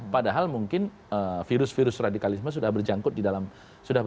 padahal mungkin virus virus radikalisme sudah berjangkut di dalam